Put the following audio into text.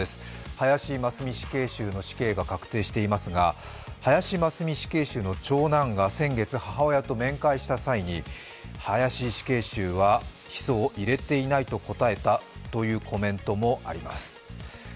林真須美死刑囚の死刑が確定していますが、林真須美死刑囚の長男が先月、母親と面会した際に、林死刑囚は、ヒ素を入れていないと答えたというコメントもあります。